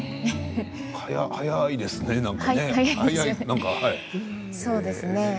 早いですね、何か。